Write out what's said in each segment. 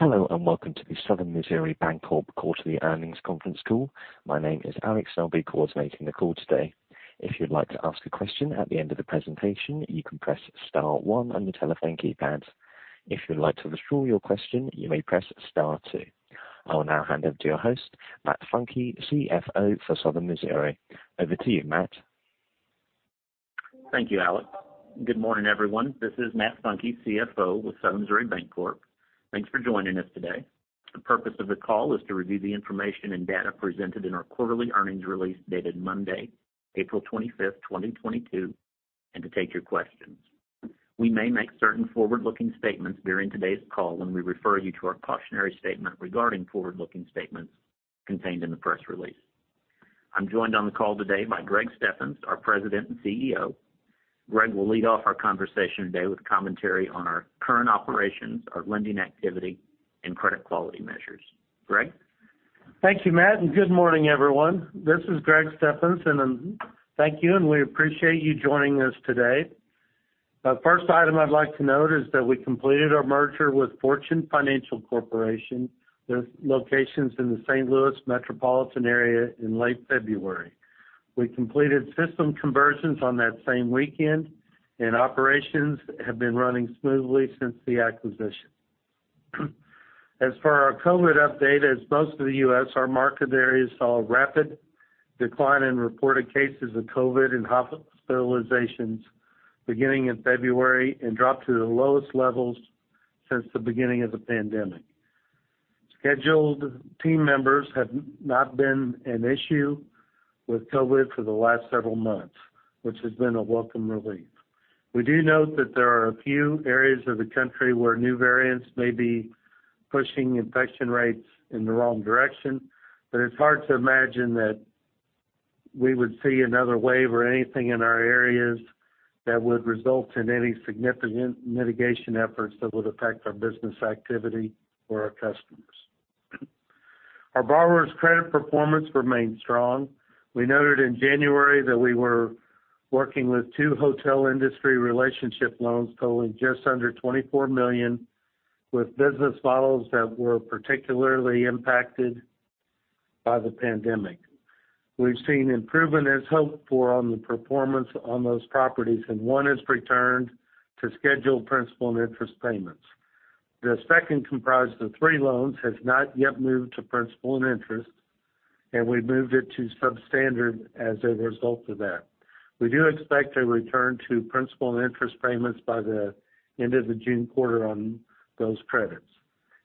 Hello, and welcome to the Southern Missouri Bancorp quarterly earnings conference call. My name is Alex. I'll be coordinating the call today. If you'd like to ask a question at the end of the presentation, you can press star one on your telephone keypad. If you'd like to withdraw your question, you may press star two. I will now hand over to your host, Matt Funke, CFO for Southern Missouri Bancorp. Over to you, Matt. Thank you, Alex. Good morning, everyone. This is Matt Funke, CFO with Southern Missouri Bancorp. Thanks for joining us today. The purpose of the call is to review the information and data presented in our quarterly earnings release dated Monday, April 25th, 2022, and to take your questions. We may make certain forward-looking statements during today's call, and we refer you to our cautionary statement regarding forward-looking statements contained in the press release. I'm joined on the call today by Greg Steffens, our President and CEO. Greg will lead off our conversation today with commentary on our current operations, our lending activity and credit quality measures. Greg? Thank you, Matt, and good morning, everyone. This is Greg Steffens, and thank you, and we appreciate you joining us today. The first item I'd like to note is that we completed our merger with Fortune Financial Corporation with locations in the St. Louis metropolitan area in late February. We completed system conversions on that same weekend, and operations have been running smoothly since the acquisition. As for our COVID update, as most of the U.S., our market areas saw a rapid decline in reported cases of COVID and hospitalizations beginning in February and dropped to the lowest levels since the beginning of the pandemic. Scheduled team members have not been an issue with COVID for the last several months, which has been a welcome relief. We do note that there are a few areas of the country where new variants may be pushing infection rates in the wrong direction, but it's hard to imagine that we would see another wave or anything in our areas that would result in any significant mitigation efforts that would affect our business activity or our customers. Our borrowers' credit performance remained strong. We noted in January that we were working with two hotel industry relationship loans totaling just under $24 million with business models that were particularly impacted by the pandemic. We've seen improvement as hoped for on the performance on those properties, and one has returned to scheduled principal and interest payments. The second, comprised of three loans, has not yet moved to principal and interest, and we moved it to substandard as a result of that. We do expect a return to principal and interest payments by the end of the June quarter on those credits,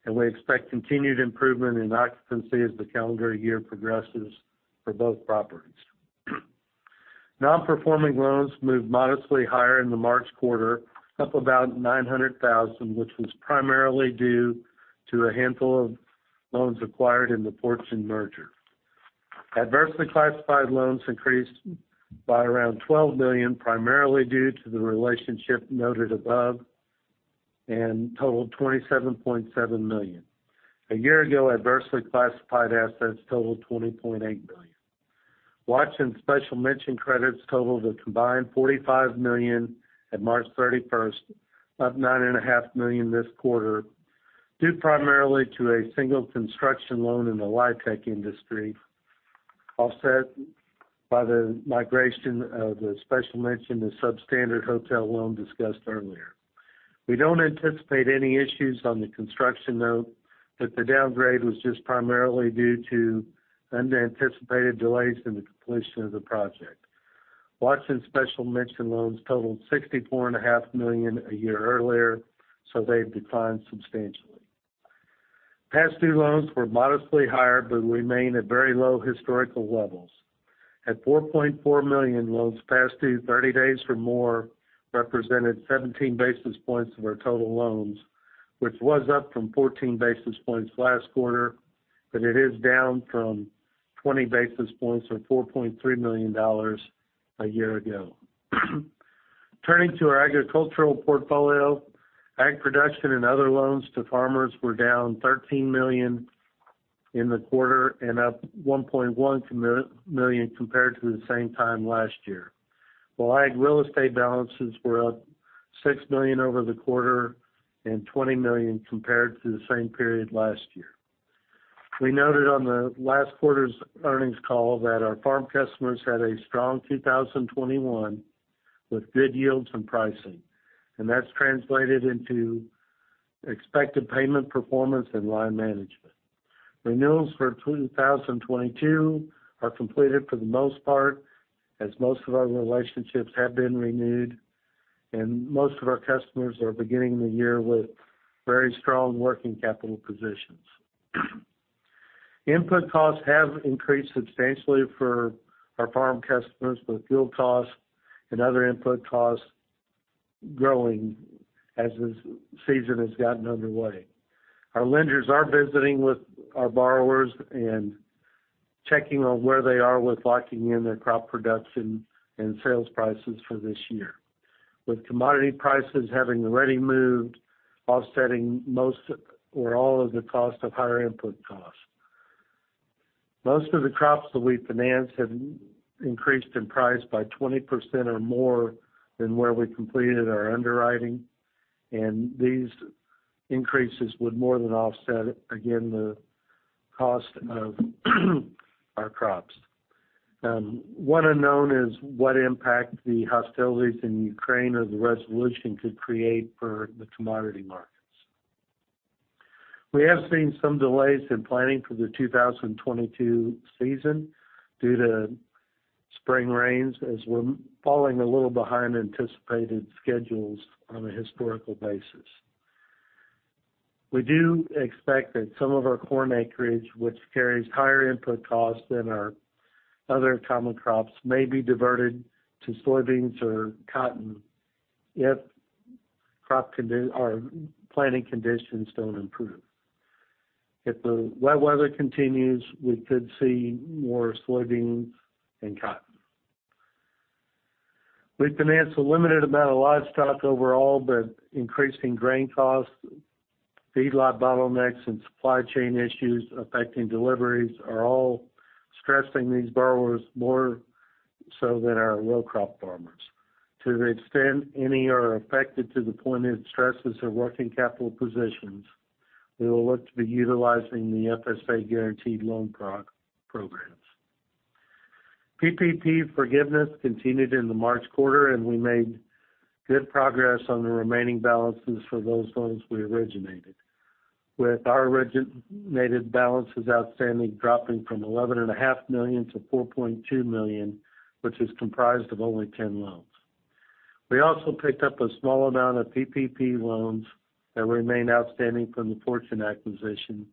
and we expect continued improvement in occupancy as the calendar year progresses for both properties. Non-performing loans moved modestly higher in the March quarter, up about $900,000, which was primarily due to a handful of loans acquired in the Fortune merger. Adversely classified loans increased by around $12 million, primarily due to the relationship noted above and totaled $27.7 million. A year ago, adversely classified assets totaled $20.8 million. Watch and special mention credits totaled a combined $45 million at March 31st, up $9.5 million this quarter, due primarily to a single construction loan in the lithium industry, offset by the migration of the special mention to substandard hotel loan discussed earlier. We don't anticipate any issues on the construction note, but the downgrade was just primarily due to unanticipated delays in the completion of the project. Watch and special mention loans totaled $64.5 million a year earlier, so they've declined substantially. Past due loans were modestly higher but remain at very low historical levels. At $4.4 million, loans past due 30 days or more represented 17 basis points of our total loans, which was up from 14 basis points last quarter, but it is down from 20 basis points or $4.3 million a year ago. Turning to our agricultural portfolio, ag production and other loans to farmers were down $13 million in the quarter and up $1.1 million compared to the same time last year. Allied real estate balances were up $6 million over the quarter and $20 million compared to the same period last year. We noted on the last quarter's earnings call that our farm customers had a strong 2021 with good yields and pricing, and that's translated into expected payment performance and line management. Renewals for 2022 are completed for the most part as most of our relationships have been renewed and most of our customers are beginning the year with very strong working capital positions. Input costs have increased substantially for our farm customers, with fuel costs and other input costs growing as the season has gotten underway. Our lenders are visiting with our borrowers and checking on where they are with locking in their crop production and sales prices for this year. With commodity prices having already moved, offsetting most or all of the cost of higher input costs. Most of the crops that we finance have increased in price by 20% or more than where we completed our underwriting, and these increases would more than offset, again, the cost of our crops. One unknown is what impact the hostilities in Ukraine or the resolution could create for the commodity markets. We have seen some delays in planning for the 2022 season due to spring rains, as we're falling a little behind anticipated schedules on a historical basis. We do expect that some of our corn acreage, which carries higher input costs than our other common crops, may be diverted to soybeans or cotton if crop or planting conditions don't improve. If the wet weather continues, we could see more soybeans than cotton. We've financed a limited amount of livestock overall, but increasing grain costs, feedlot bottlenecks and supply chain issues affecting deliveries are all stressing these borrowers more so than our row crop farmers. To the extent any are affected to the point it stresses their working capital positions, we will look to be utilizing the FSA guaranteed loan programs. PPP forgiveness continued in the March quarter, and we made good progress on the remaining balances for those loans we originated, with our originated balances outstanding dropping from $11.5 million-$4.2 million, which is comprised of only 10 loans. We also picked up a small amount of PPP loans that remained outstanding from the Fortune acquisition,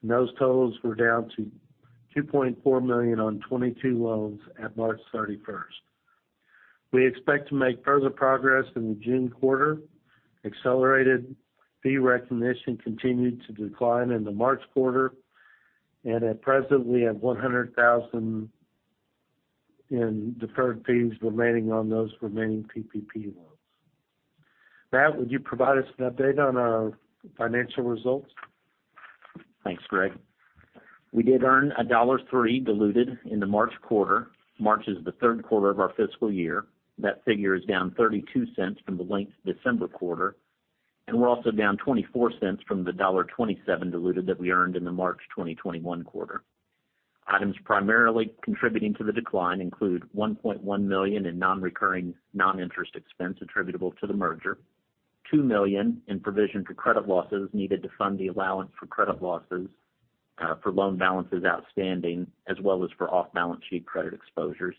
and those totals were down to $2.4 million on 22 loans at March 31st. We expect to make further progress in the June quarter. Accelerated fee recognition continued to decline in the March quarter, and at present we have $100,000 in deferred fees remaining on those remaining PPP loans. Matt, would you provide us an update on our financial results? Thanks, Greg. We did earn $1.03 diluted in the March quarter. March is the third quarter of our fiscal year. That figure is down $0.32 from the linked December quarter, and we're also down $0.24 from the $1.27 diluted that we earned in the March 2021 quarter. Items primarily contributing to the decline include $1.1 million in nonrecurring non-interest expense attributable to the merger, $2 million in provision for credit losses needed to fund the allowance for credit losses for loan balances outstanding, as well as for off-balance sheet credit exposures.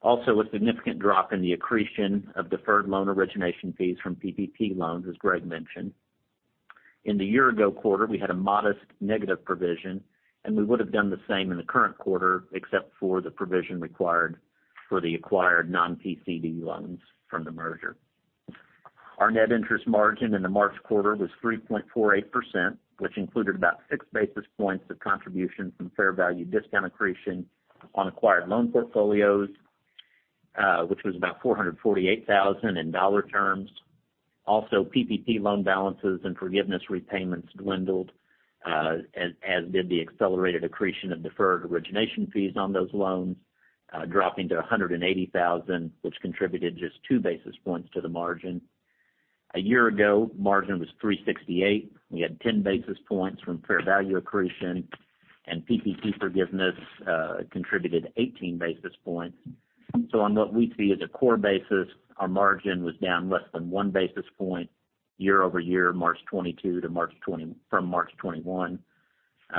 Also, a significant drop in the accretion of deferred loan origination fees from PPP loans, as Greg mentioned. In the year ago quarter, we had a modest negative provision, and we would have done the same in the current quarter except for the provision required for the acquired non-PCD loans from the merger. Our net interest margin in the March quarter was 3.48%, which included about six basis points of contribution from fair value discount accretion on acquired loan portfolios, which was about $448,000 in dollar terms. Also, PPP loan balances and forgiveness repayments dwindled, as did the accelerated accretion of deferred origination fees on those loans, dropping to $180,000, which contributed just two basis points to the margin. A year ago, margin was 3.68%. We had 10 basis points from fair value accretion, and PPP forgiveness contributed 18 basis points. On what we see as a core basis, our margin was down less than 1 basis point year-over-year, from March 2021-March 2022.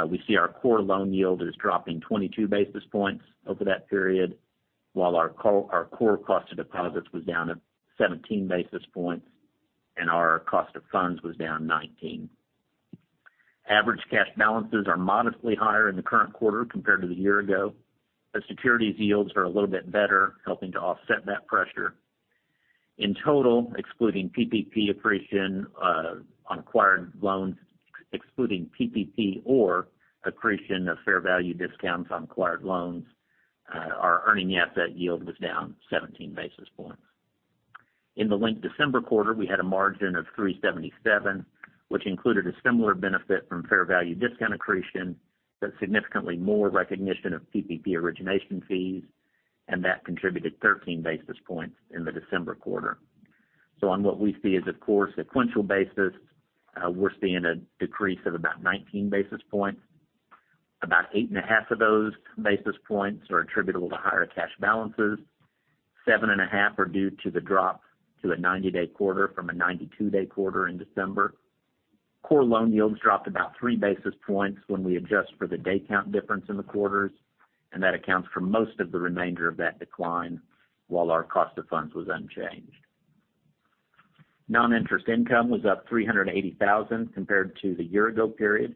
We see our core loan yield is dropping 22 basis points over that period, while our core cost of deposits was down at 17 basis points and our cost of funds was down 19. Average cash balances are modestly higher in the current quarter compared to the year ago, as securities yields are a little bit better, helping to offset that pressure. In total, excluding PPP accretion on acquired loans, excluding PPP or accretion of fair value discounts on acquired loans, our earning asset yield was down 17 basis points. In the linked December quarter, we had a margin of 3.77%, which included a similar benefit from fair value discount accretion, but significantly more recognition of PPP origination fees, and that contributed 13 basis points in the December quarter. On what we see as a core sequential basis, we're seeing a decrease of about 19 basis points. About 8.5 of those basis points are attributable to higher cash balances. 7.5 are due to the drop to a 90-day quarter from a 92-day quarter in December. Core loan yields dropped about 3 basis points when we adjust for the day count difference in the quarters, and that accounts for most of the remainder of that decline, while our cost of funds was unchanged. Non-interest income was up $380,000 compared to the year ago period.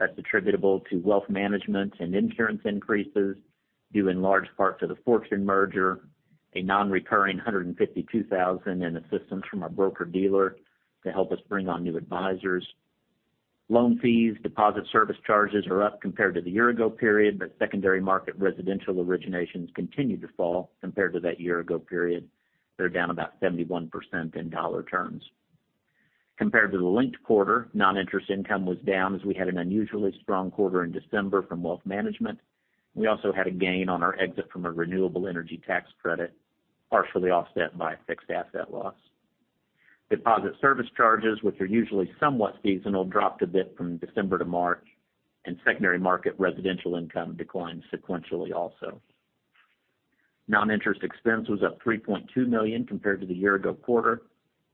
That's attributable to wealth management and insurance increases, due in large part to the Fortune merger, a non-recurring $152,000 in assistance from our broker-dealer to help us bring on new advisors. Loan fees, deposit service charges are up compared to the year-ago period, but secondary market residential originations continued to fall compared to that year-ago period. They're down about 71% in dollar terms. Compared to the linked quarter, non-interest income was down as we had an unusually strong quarter in December from wealth management. We also had a gain on our exit from a renewable energy tax credit, partially offset by fixed asset loss. Deposit service charges, which are usually somewhat seasonal, dropped a bit from December to March, and secondary market residential income declined sequentially also. Non-interest expense was up $3.2 million compared to the year-ago quarter.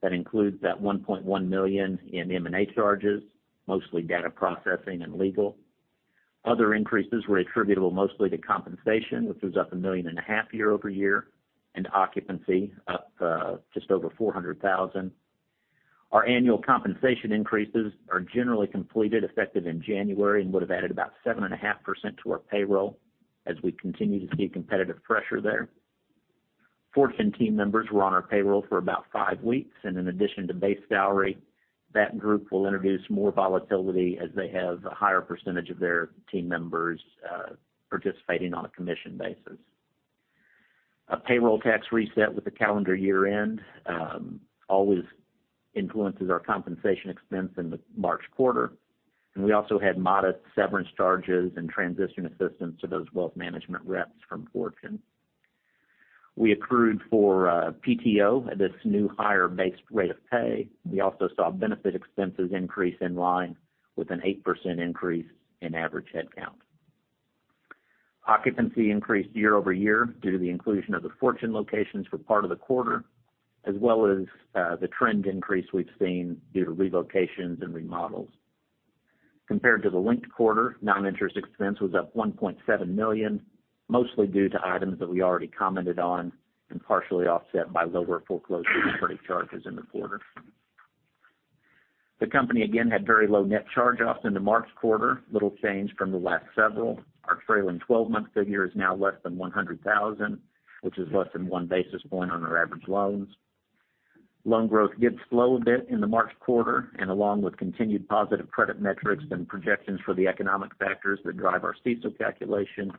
That includes that $1.1 million in M&A charges, mostly data processing and legal. Other increases were attributable mostly to compensation, which was up $1.5 million year-over-year, and occupancy up just over $400,000. Our annual compensation increases are generally completed effective in January and would have added about 7.5% to our payroll as we continue to see competitive pressure there. Fortune team members were on our payroll for about five weeks, and in addition to base salary, that group will introduce more volatility as they have a higher percentage of their team members participating on a commission basis. A payroll tax reset with the calendar year-end always influences our compensation expense in the March quarter, and we also had modest severance charges and transition assistance to those wealth management reps from Fortune. We accrued for PTO at this new higher base rate of pay. We also saw benefit expenses increase in line with an 8% increase in average head count. Occupancy increased year-over-year due to the inclusion of the Fortune locations for part of the quarter, as well as the trend increase we've seen due to relocations and remodels. Compared to the linked quarter, non-interest expense was up $1.7 million, mostly due to items that we already commented on and partially offset by lower foreclosure-related charges in the quarter. The company again had very low net charge-offs in the March quarter, little change from the last several. Our trailing twelve-month figure is now less than $100,000, which is less than one basis point on our average loans. Loan growth did slow a bit in the March quarter, and along with continued positive credit metrics and projections for the economic factors that drive our CECL calculation,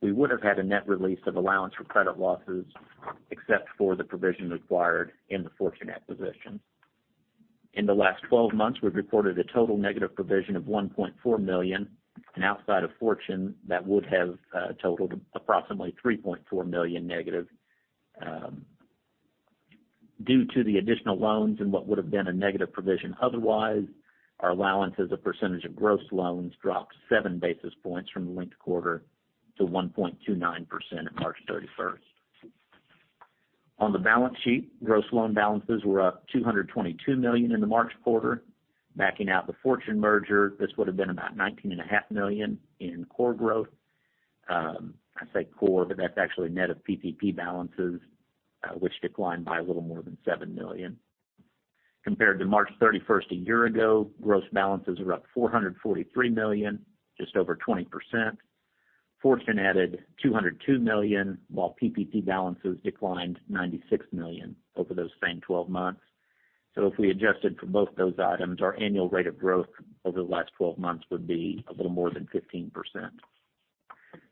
we would have had a net release of allowance for credit losses except for the provision required in the Fortune acquisition. In the last 12 months, we've reported a total negative provision of $1.4 million, and outside of Fortune, that would have totaled approximately $3.4 million negative due to the additional loans and what would have been a negative provision otherwise. Our allowance as a percentage of gross loans dropped 7 basis points from the linked quarter to 1.29% at March 31st. On the balance sheet, gross loan balances were up $222 million in the March quarter. Backing out the Fortune merger, this would have been about $19.5 million in core growth. I say core, but that's actually net of PPP balances, which declined by a little more than $7 million. Compared to March 31st a year ago, gross balances are up $443 million, just over 20%. Fortune added $202 million, while PPP balances declined $96 million over those same twelve months. If we adjusted for both those items, our annual rate of growth over the last twelve months would be a little more than 15%.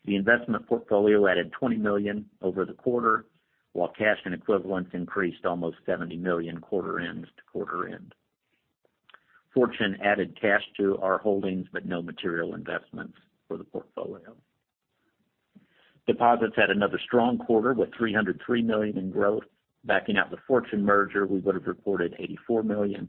The investment portfolio added $20 million over the quarter, while cash and equivalents increased almost $70 million quarter end to quarter end. Fortune added cash to our holdings, but no material investments for the portfolio. Deposits had another strong quarter with $303 million in growth. Backing out the Fortune merger, we would have reported $84 million.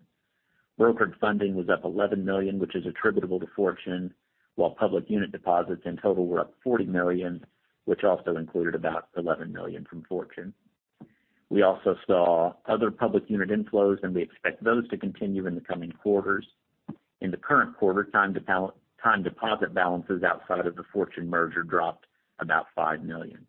Brokered funding was up $11 million, which is attributable to Fortune, while public unit deposits in total were up $40 million, which also included about $11 million from Fortune. We also saw other public unit inflows, and we expect those to continue in the coming quarters. In the current quarter, time deposit balances outside of the Fortune merger dropped about $5 million.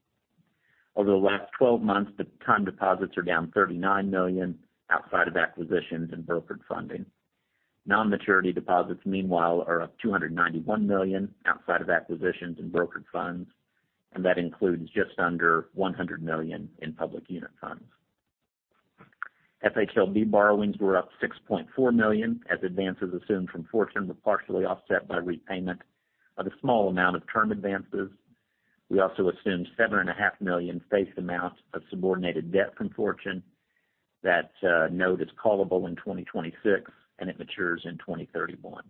Over the last 12 months, the time deposits are down $39 million outside of acquisitions and brokered funding. Non-maturity deposits, meanwhile, are up $291 million outside of acquisitions and brokered funds, and that includes just under $100 million in public unit funds. FHLB borrowings were up $6.4 million as advances assumed from Fortune were partially offset by repayment of a small amount of term advances. We also assumed $7.5 million face amount of subordinated debt from Fortune. That note is callable in 2026, and it matures in 2031.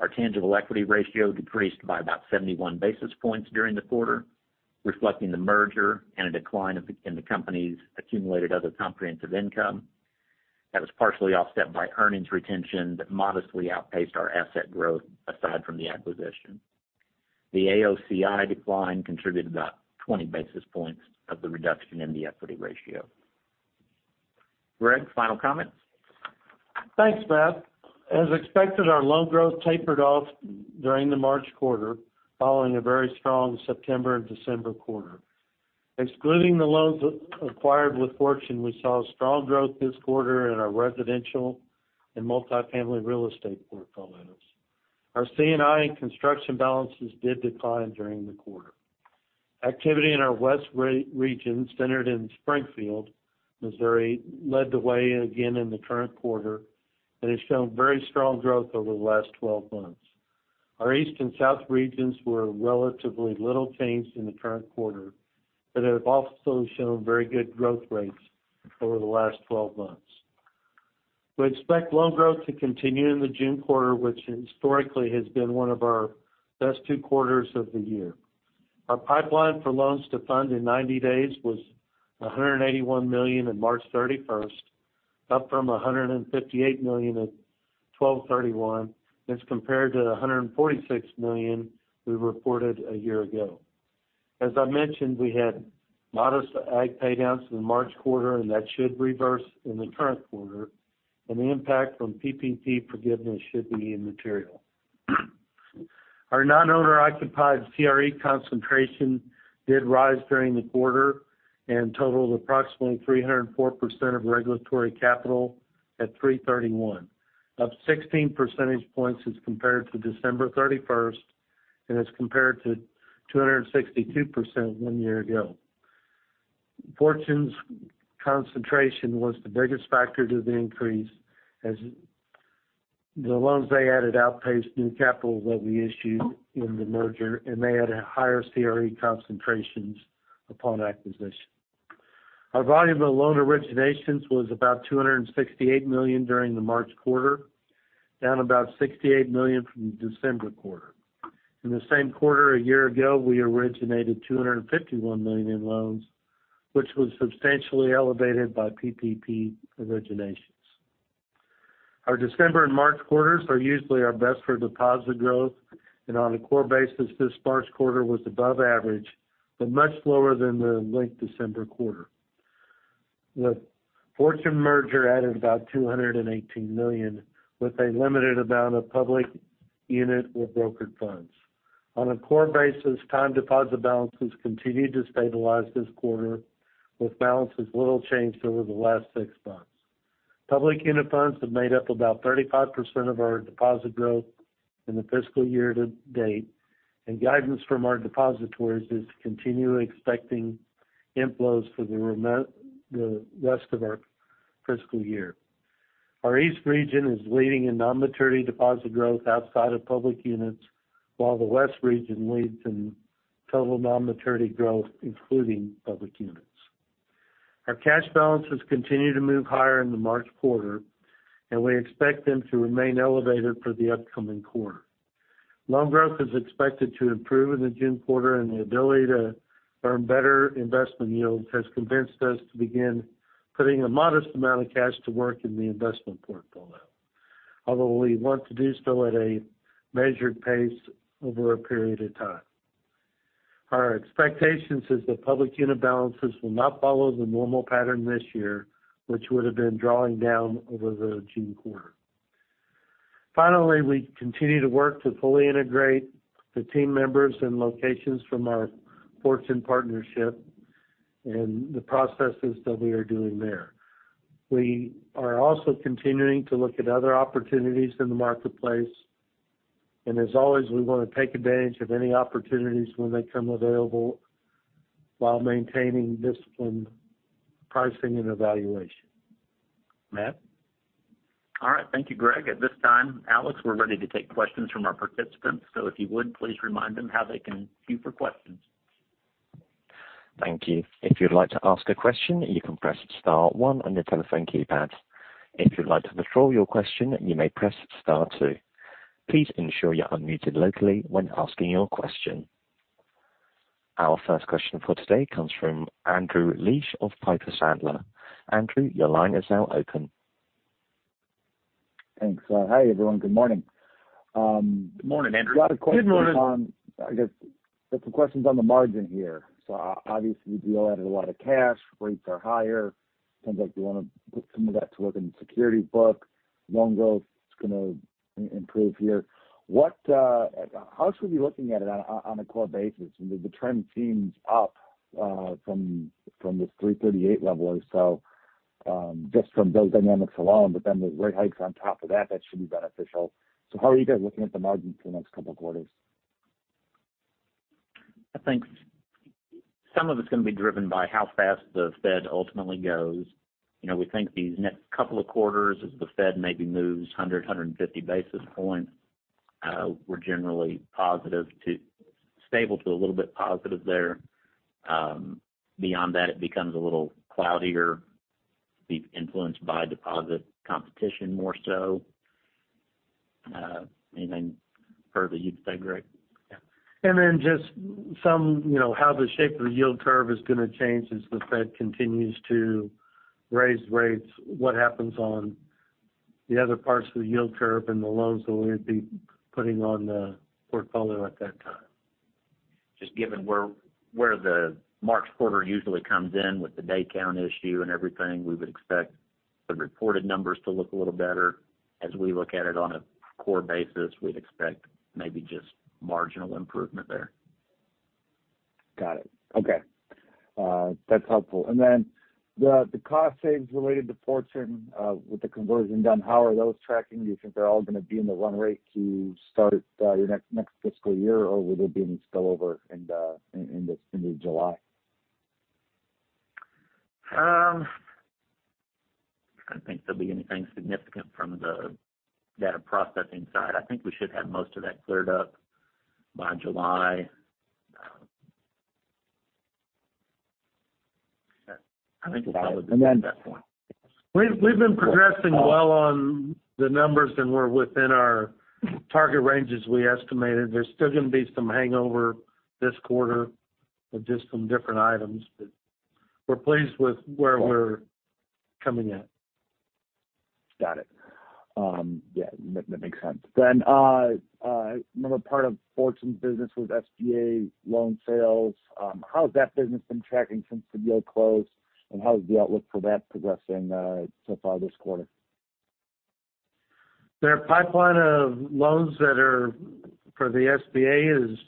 Our tangible equity ratio decreased by about 71 basis points during the quarter, reflecting the merger and a decline in the company's accumulated other comprehensive income. That was partially offset by earnings retention that modestly outpaced our asset growth aside from the acquisition. The AOCI decline contributed about 20 basis points of the reduction in the equity ratio. Greg, final comments? Thanks, Matt. As expected, our loan growth tapered off during the March quarter, following a very strong September and December quarter. Excluding the loans acquired with Fortune, we saw strong growth this quarter in our residential and multifamily real estate portfolios. Our C&I construction balances did decline during the quarter. Activity in our west region, centered in Springfield, Missouri, led the way again in the current quarter and has shown very strong growth over the last 12 months. Our east and south regions were relatively little changed in the current quarter, but have also shown very good growth rates over the last 12 months. We expect loan growth to continue in the June quarter, which historically has been one of our best two quarters of the year. Our pipeline for loans to fund in 90 days was $181 million in March 31st, up from $158 million at December 31, as compared to the $146 million we reported a year ago. As I mentioned, we had modest ag pay downs in the March quarter, and that should reverse in the current quarter, and the impact from PPP forgiveness should be immaterial. Our non-owner occupied CRE concentration did rise during the quarter and totaled approximately 304% of regulatory capital at March 31, up 16 percentage points as compared to December 31, and as compared to 262% one year ago. Fortune's concentration was the biggest factor to the increase as the loans they added outpaced new capital that we issued in the merger, and they had higher CRE concentrations upon acquisition. Our volume of loan originations was about $268 million during the March quarter, down about $68 million from the December quarter. In the same quarter a year ago, we originated $251 million in loans, which was substantially elevated by PPP originations. Our December and March quarters are usually our best for deposit growth, and on a core basis, this March quarter was above average, but much lower than the late December quarter. The Fortune merger added about $218 million, with a limited amount of public unit or brokered funds. On a core basis, time deposit balances continued to stabilize this quarter, with balances little changed over the last six months. Public unit funds have made up about 35% of our deposit growth in the fiscal year to date, and guidance from our depositories is to continue expecting inflows for the rest of our fiscal year. Our east region is leading in non-maturity deposit growth outside of public units, while the west region leads in total non-maturity growth, including public units. Our cash balances continue to move higher in the March quarter, and we expect them to remain elevated for the upcoming quarter. Loan growth is expected to improve in the June quarter, and the ability to earn better investment yields has convinced us to begin putting a modest amount of cash to work in the investment portfolio, although we want to do so at a measured pace over a period of time. Our expectations is that public unit balances will not follow the normal pattern this year, which would have been drawing down over the June quarter. Finally, we continue to work to fully integrate the team members and locations from our Fortune partnership and the processes that we are doing there. We are also continuing to look at other opportunities in the marketplace, and as always, we want to take advantage of any opportunities when they come available, while maintaining disciplined pricing and evaluation. Matt? All right. Thank you, Greg. At this time, Alex, we're ready to take questions from our participants. If you would, please remind them how they can queue for questions. Thank you. If you'd like to ask a question, you can press star one on your telephone keypad. If you'd like to withdraw your question, you may press star two. Please ensure you're unmuted locally when asking your question. Our first question for today comes from Andrew Liesch of Piper Sandler. Andrew, your line is now open. Thanks. Hi, everyone. Good morning. Good morning, Andrew. Good morning. A lot of questions on. I guess different questions on the margin here. Obviously, the deal added a lot of cash, rates are higher, seems like you wanna put some of that to work in the securities book, loan growth is gonna improve here. What, how should we be looking at it on a core basis? The trend seems up, from this 3.38% level or so, just from those dynamics alone, but then the rate hikes on top of that should be beneficial. How are you guys looking at the margin for the next couple of quarters? I think some of it's gonna be driven by how fast the Fed ultimately goes. You know, we think these next couple of quarters as the Fed maybe moves 100-150 basis points. We're generally positive to stable to a little bit positive there. Beyond that, it becomes a little cloudier to be influenced by deposit competition more so. Anything further you'd say, Greg? Yeah. Just some, you know, how the shape of the yield curve is gonna change as the Fed continues to raise rates, what happens on the other parts of the yield curve and the loans that we'd be putting on the portfolio at that time. Just given where the March quarter usually comes in with the day count issue and everything, we would expect the reported numbers to look a little better. As we look at it on a core basis, we'd expect maybe just marginal improvement there. Got it. Okay. That's helpful. Then the cost saves related to Fortune, with the conversion done, how are those tracking? Do you think they're all gonna be in the run rate to start your next fiscal year, or will there be any spill over in this end of July? I don't think there'll be anything significant from the data processing side. I think we should have most of that cleared up by July. I think that would be at that point. We've been progressing well on the numbers, and we're within our target ranges we estimated. There's still gonna be some hangover this quarter with just some different items, but we're pleased with where we're coming in. Got it. Yeah, that makes sense. Another part of Fortune's business was SBA loan sales. How's that business been tracking since the deal closed, and how is the outlook for that progressing, so far this quarter? Their pipeline of loans that are for the SBA is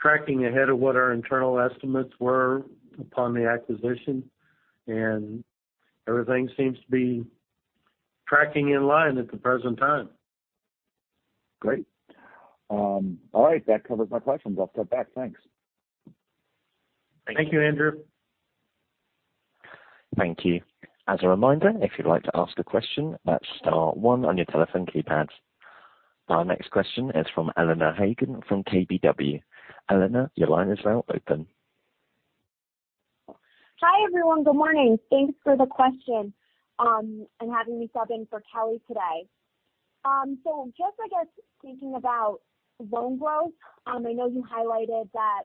tracking ahead of what our internal estimates were upon the acquisition, and everything seems to be tracking in line at the present time. Great. All right, that covers my questions. I'll step back. Thanks. Thank you. Thank you, Andrew. Thank you. As a reminder, if you'd like to ask a question, that's star one on your telephone keypads. Our next question is from Eleanor Hagan from KBW. Eleanor, your line is now open. Hi, everyone. Good morning. Thanks for the question and having me sub in for Kelly today. Just I guess thinking about loan growth, I know you highlighted that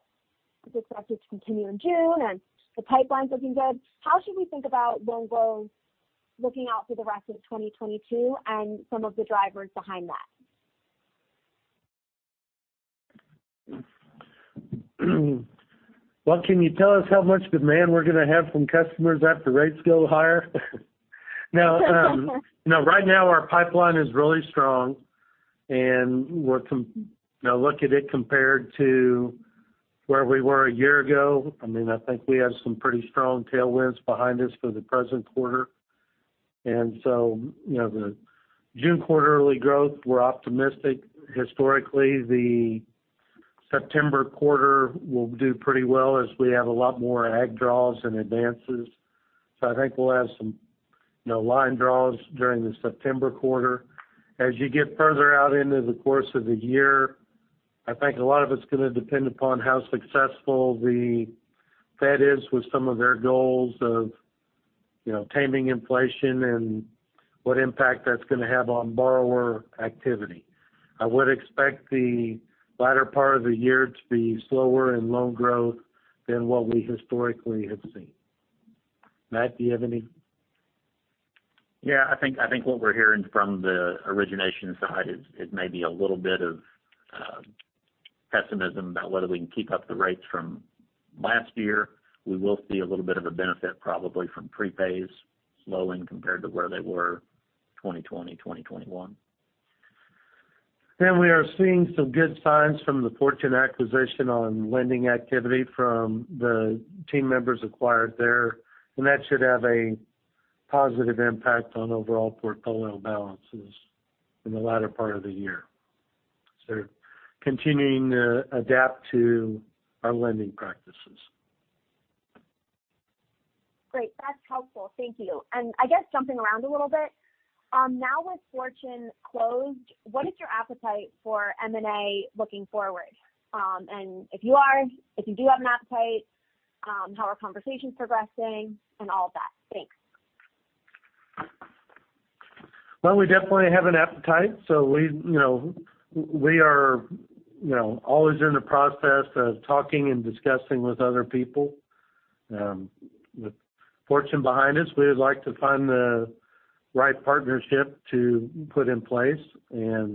it's expected to continue in June and the pipeline's looking good. How should we think about loan growth looking out for the rest of 2022 and some of the drivers behind that? Well, can you tell us how much demand we're gonna have from customers after rates go higher? No, no. Right now, our pipeline is really strong, and look at it compared to where we were a year ago. I mean, I think we have some pretty strong tailwinds behind us for the present quarter. You know, the June quarterly growth, we're optimistic. Historically, the September quarter will do pretty well as we have a lot more ag draws and advances. I think we'll have some, you know, line draws during the September quarter. As you get further out into the course of the year, I think a lot of it's gonna depend upon how successful the Fed is with some of their goals of, you know, taming inflation and what impact that's gonna have on borrower activity. I would expect the latter part of the year to be slower in loan growth than what we historically have seen. Matt, do you have any? Yeah, I think what we're hearing from the origination side is maybe a little bit of pessimism about whether we can keep up the rates from last year. We will see a little bit of a benefit probably from prepays slowing compared to where they were 2020, 2021. We are seeing some good signs from the Fortune acquisition on lending activity from the team members acquired there, and that should have a positive impact on overall portfolio balances in the latter part of the year. Continuing to adapt to our lending practices. Great. That's helpful. Thank you. I guess jumping around a little bit, now with Fortune closed, what is your appetite for M&A looking forward? If you are, if you do have an appetite, how are conversations progressing and all of that? Thanks. Well, we definitely have an appetite, so we, you know, we are, you know, always in the process of talking and discussing with other people. With Fortune behind us, we would like to find the right partnership to put in place. We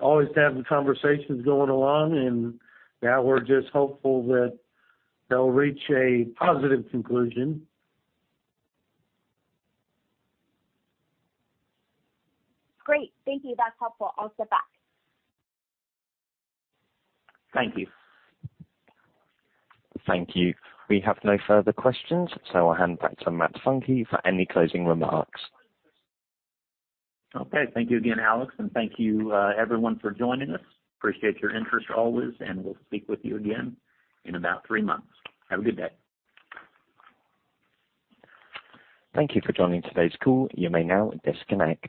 always have the conversations going along, and now we're just hopeful that they'll reach a positive conclusion. Great. Thank you. That's helpful. I'll step back. Thank you. Thank you. We have no further questions, so I'll hand back to Matt Funke for any closing remarks. Okay. Thank you again, Alex, and thank you, everyone for joining us. Appreciate your interest always, and we'll speak with you again in about three months. Have a good day. Thank you for joining today's call. You may now disconnect.